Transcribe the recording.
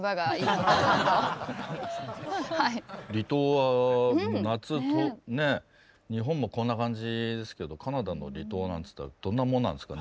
離島は夏ね日本もこんな感じですけどカナダの離島なんつったらどんなもんなんですか？